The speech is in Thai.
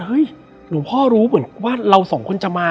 หลวงพ่อรู้เหมือนว่าเราสองคนจะมา